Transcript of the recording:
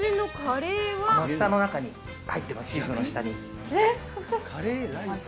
下の中に入ってます、チーズえっ。